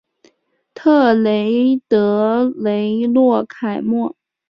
特雷德雷洛凯莫。